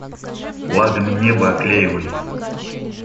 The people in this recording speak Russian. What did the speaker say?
Флагами небо оклеивай!